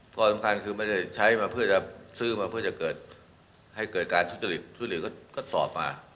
ความสำคัญคือไม่ได้ใช้มาเพื่อจะซื้อมาเพื่อจะเกิดให้เกิดการทุจริตทุเรียนก็สอบมา